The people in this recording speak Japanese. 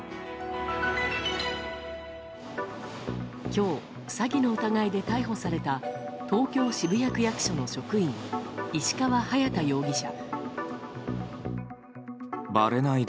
今日、詐欺の疑いで逮捕された東京・渋谷区役所の職員石川隼大容疑者。